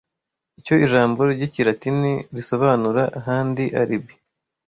Icyo ijambo ry'ikilatini risobanura ahandi Alibi